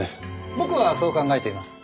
僕はそう考えています。